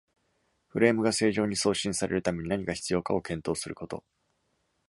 フレームが正常に送信されるために何が必要かを検討すること。